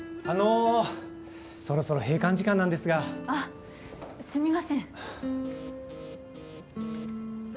あのそろそろ閉館時間なんですがあっすみません